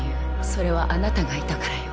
それはあなたがいたからよ。